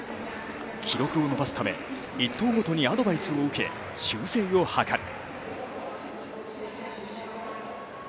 記録を伸ばすため、１投ごとにアドバイスを受け、修正を図る。